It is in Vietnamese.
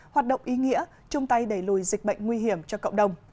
hoạt động ý nghĩa chung tay đẩy lùi dịch bệnh nguy hiểm cho cộng đồng